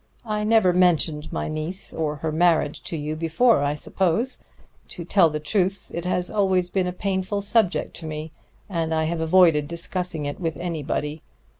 I never mentioned my niece or her marriage to you before, I suppose. To tell the truth, it has always been a painful subject to me, and I have avoided discussing it with anybody.